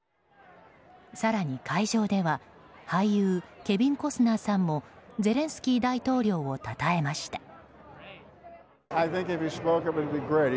更に、会場では俳優ケビン・コスナーさんもゼレンスキー大統領をたたえました。